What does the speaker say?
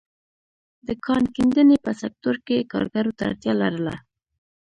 د کان کیندنې په سکتور کې کارګرو ته اړتیا لرله.